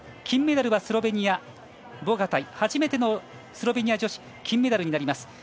金メダルはスロベニアのボガタイ初めてのスロベニア女子金メダルになります。